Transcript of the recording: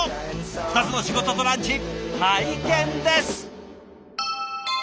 ２つの仕事とランチ拝見です！